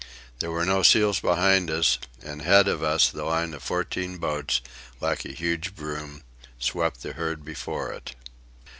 There were no seals behind us, and ahead of us the line of fourteen boats, like a huge broom, swept the herd before it.